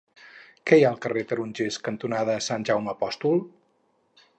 Què hi ha al carrer Tarongers cantonada Sant Jaume Apòstol?